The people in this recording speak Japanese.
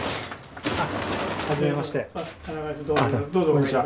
こんにちは。